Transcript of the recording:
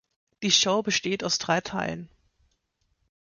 Die Show besteht aus drei Teilen.